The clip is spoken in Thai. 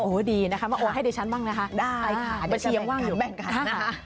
โอ้ดีนะคะมาโอนให้ดิฉันบ้างนะคะได้ค่ะเดี๋ยวจะแบ่งกันแบ่งกันนะคะ